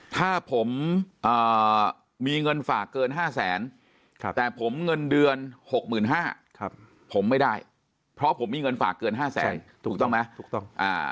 ถ้าผมมีเงินฝากเกิน๕แสนแต่ผมเงินเดือน๖๕๐๐บาทผมไม่ได้เพราะผมมีเงินฝากเกินห้าแสนถูกต้องไหมถูกต้อง